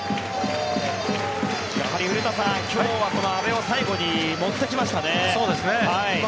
古田さん、やはり今日は阿部を最後に持ってきましたね。